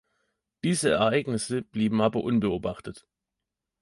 Diese Ereignisse blieben aber unbeobachtet.